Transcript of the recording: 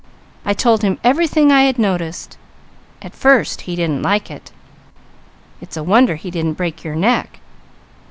I told him everything I had noticed. At first he didn't like it." "It's a wonder he didn't break your neck."